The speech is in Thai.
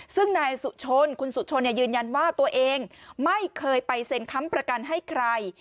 ซึ่งนายสุชนคุณสุชนยืนยันว่าตัวเองไม่เคยไปเซ็นค้ำประกันให้ใคร